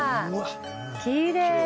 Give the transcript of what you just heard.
きれい。